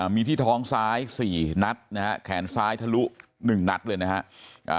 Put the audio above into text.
มีที่ท้องซ้าย๔นัดนะฮะแขนซ้ายทะลุ๑นัดเลยนะฮะ